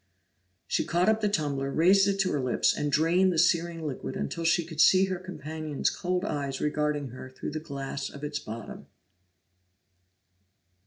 She caught up the tumbler, raised it to her lips, and drained the searing liquid until she could see her companion's cold eyes regarding her through the glass of its bottom.